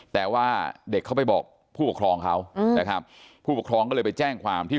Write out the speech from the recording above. แต่ว่าเด็กเขาไปบอกผู้ปกครองเขานะครับผู้ปกครองก็เลยไปแจ้งความที่